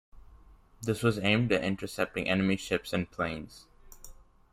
This was aimed at intercepting enemy ships and planes.